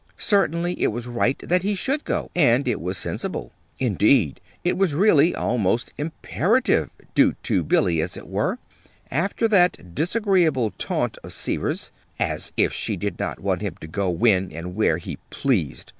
Certainly it was right that he should go, and it was sensible. Indeed, it was really almost imperative due to Billy, as it were after that disagreeable taunt of Seaver's. As if she did not want him to go when and where he pleased!